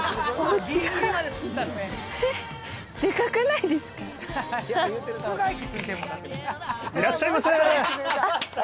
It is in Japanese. いらっしゃいませ。